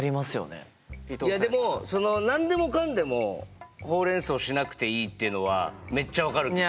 いやでも何でもかんでもホウ・レン・ソウしなくていいっていうのはめっちゃ分かるんですよ。